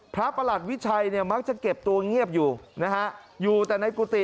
พระประหลัดวิชัยมักจะเก็บตัวเงียบอยู่อยู่แต่ในกุฏิ